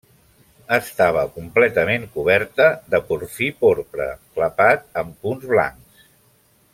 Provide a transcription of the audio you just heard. Estava completament coberta de pòrfir porpra, clapat amb punts blancs.